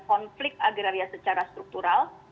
konflik agraria secara struktural